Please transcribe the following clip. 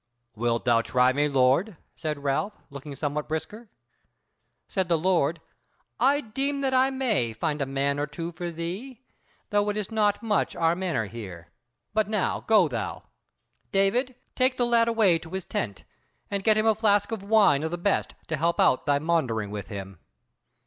"Wilt thou try me, lord?" said Ralph, looking somewhat brisker. Said the Lord: "I deem that I may find a man or two for thee, though it is not much our manner here; but now go thou! David, take the lad away to his tent, and get him a flask of wine of the best to help out thy maundering with him."